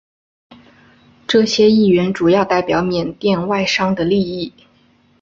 这些议员主要代表缅甸外商的利益。